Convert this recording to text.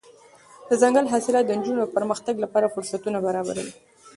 دځنګل حاصلات د نجونو د پرمختګ لپاره فرصتونه برابروي.